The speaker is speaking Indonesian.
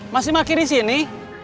masih parkir di sini